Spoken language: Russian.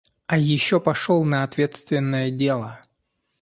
А ещё пошёл на ответственное дело.